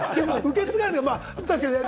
受け継がれて？